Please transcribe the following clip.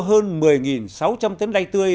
hơn một mươi sáu trăm linh tấn đay tươi